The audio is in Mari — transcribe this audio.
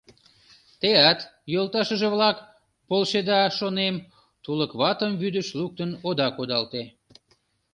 Теат, йолташыже-влак, полшеда, шонем, тулык ватым вӱдыш луктын ода кудалте.